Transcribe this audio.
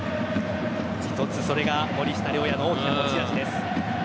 一つ、それが森下龍矢の大きな持ち味です。